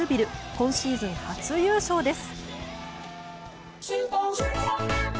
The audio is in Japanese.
今シーズン初優勝です。